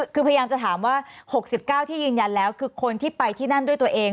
คือพยายามจะถามว่า๖๙ที่ยืนยันแล้วคือคนที่ไปที่นั่นด้วยตัวเอง